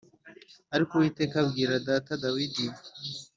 ariko Uwiteka abwira data Dawidi